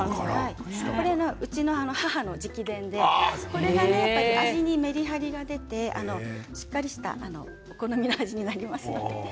これが、うちの母直伝で味にメリハリが出てしっかりしたお好みの味になりますので。